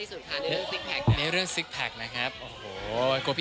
ทีนี้ผมจะสู้ได้หรอครับ